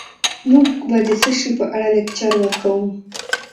موږ به د څه شي په اړه لکچر ورکوو